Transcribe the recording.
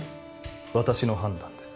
私の判断です。